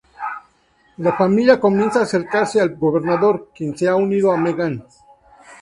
La familia comienza a acercarse al Gobernador, quien se ha unido a Meghan.